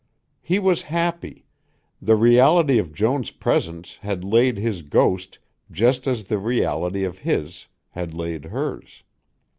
He was happy; the reality of Joan's presence had laid his ghost just as the reality of his had laid hers.